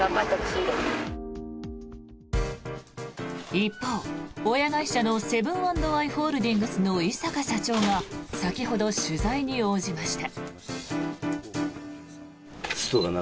一方、親会社のセブン＆アイ・ホールディングスの井阪社長が先ほど取材に応じました。